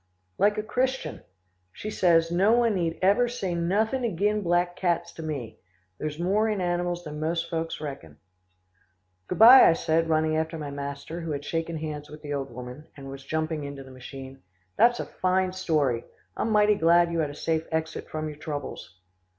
"Like a Christian. She says, 'No one need ever say nothin' agin' black cats to me. There's more in animals than most folks reckon.'" "Good bye," I said running after my master who had shaken hands with the old woman, and was jumping into the machine. "That's a fine story. I'm mighty glad you had a safe exit from your troubles."